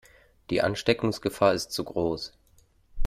Die Ansteckungsgefahr ist zu groß.